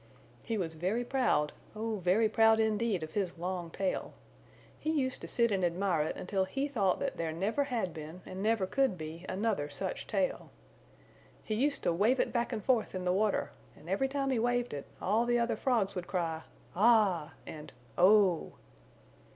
He was very proud, oh, very proud indeed of his long tail. He used to sit and admire it until he thought that there never had been and never could be another such tail. He used to wave it back and forth in the water, and every time he waved it all the other Frogs would cry 'Ah!' and 'Oh!'